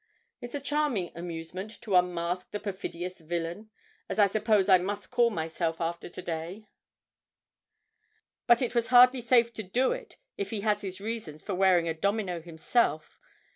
It's a charming amusement to unmask the perfidious villain, as I suppose I must call myself after to day, but it was hardly safe to do it if he has his reasons for wearing a domino himself.